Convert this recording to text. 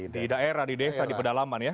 di daerah di desa di pedalaman ya